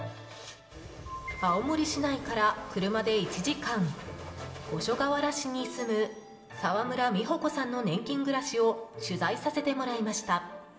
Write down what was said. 青森市内から車で１時間五所川原市に住む澤村美保子さんの年金暮らしを取材させてもらいました。